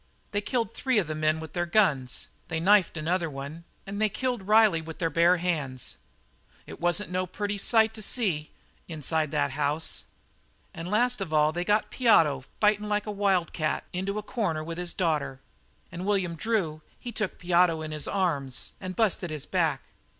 They killed three of the men with their guns; they knifed another one, an' they killed Riley with their bare hands. It wasn't no pretty sight to see the inside of that house. And last of all they got Piotto, fightin' like an old wildcat, into a corner with his daughter; and William Drew, he took Piotto into his arms and busted his back.